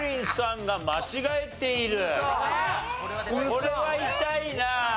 これは痛いな。